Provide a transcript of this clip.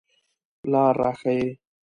لار را ښایئ